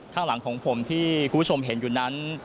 ข้างหลังของผมที่คุณผู้ชมเห็นอยู่นั้น